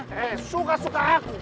eh suka suka aku